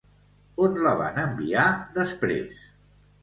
On la van enviar, després?